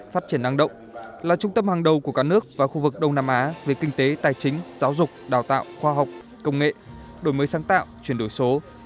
phát triển năng động là trung tâm hàng đầu của cả nước và khu vực đông nam á về kinh tế tài chính giáo dục đào tạo khoa học công nghệ đổi mới sáng tạo chuyển đổi số